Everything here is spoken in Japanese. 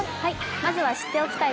まずは知っておきたい